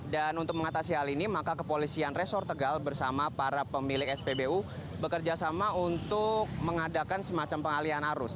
dan untuk mengatasi hal ini maka kepolisian resort tegal bersama para pemilik spbu bekerjasama untuk mengadakan semacam pengalian arus